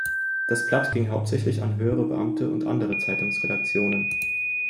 Das Blatt ging hauptsächlich an höhere Beamte und andere Zeitungsredaktionen.